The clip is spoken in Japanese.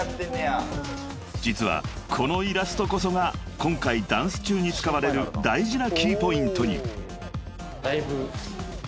［実はこのイラストこそが今回ダンス中に使われる大事なキーポイントに］